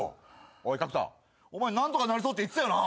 おい角田お前何とかなりそうって言ってたよな？